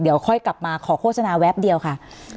เดี๋ยวค่อยกลับมาขอโฆษณาแวบเดียวค่ะ